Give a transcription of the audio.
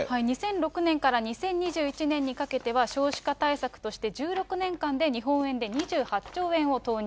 ２００６年から２０２１年にかけては少子化対策として１６年間で日本円にして２８兆円を投入。